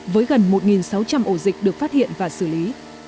với gần một sáu trăm linh ổ dịch được phát hiện và xử lý